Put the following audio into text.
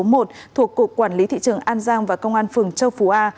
thuộc cục quản lý thị trường an giang và công an phường châu phú a